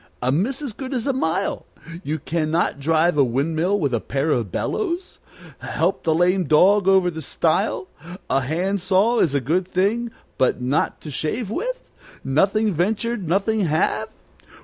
"A miss is as good as a mile? You can not drive a windmill with a pair of bellows? Help the lame dog over the stile? A hand saw is a good thing, but not to shave with? Nothing venture, nothing have?